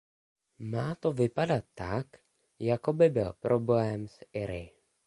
Má to vypadat tak, jakoby byl problém s Iry.